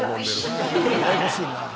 ややこしいな。